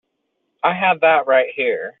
I had that right here.